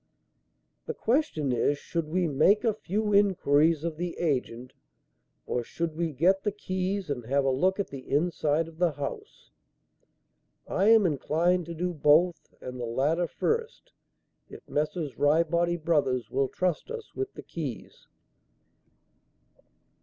"The question is, should we make a few inquiries of the agent, or should we get the keys and have a look at the inside of the house? I am inclined to do both, and the latter first, if Messrs. Ryebody Brothers will trust us with the keys."